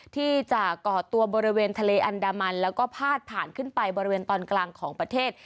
ที่จะก่อตัวบริเวณทะเลอันดามันแล้วก็พาดผ่านขึ้นไปบริเวณตอนกลางของประเทศ